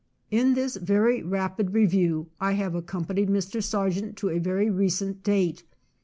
In this very rapid review I have ac companied Mr. Sargent to a very recent date.